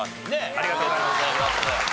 ありがとうございます。